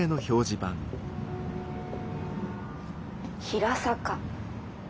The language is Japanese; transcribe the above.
「平坂」。